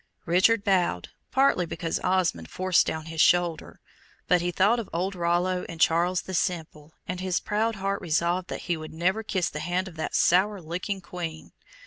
Richard bowed, partly because Osmond forced down his shoulder; but he thought of old Rollo and Charles the Simple, and his proud heart resolved that he would never kiss the hand of that sour looking Queen.